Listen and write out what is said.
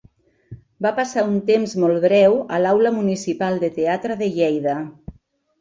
Va passar un temps molt breu a l'Aula Municipal de Teatre de Lleida.